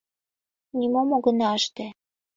— Нимом огына ыште!